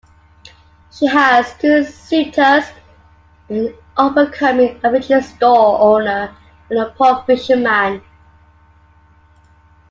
She has two suitors, an up-and-coming, ambitious store owner and a poor fisherman.